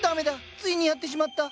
ついにやってしまった！